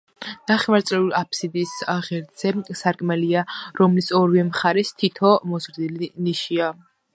ნახევარწრიულ აფსიდის ღერძზე სარკმელია, რომლის ორივე მხარეს თითო მოზრდილი ნიშია.